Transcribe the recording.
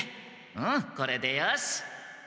うんこれでよし。